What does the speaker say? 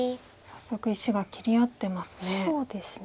早速石が切り合ってますね。